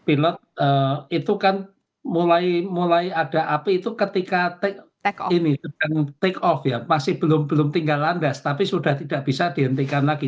pilot itu kan mulai ada api itu ketika take off ya masih belum tinggal landas tapi sudah tidak bisa dihentikan lagi